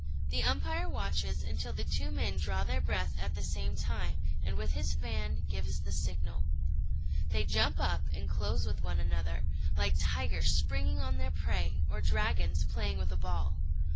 The umpire watches until the two men draw their breath at the same time, and with his fan gives the signal. They jump up and close with one another, like tigers springing on their prey, or dragons playing with a ball.